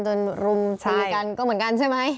รุมตีกันก็เหมือนกันใช่ไหม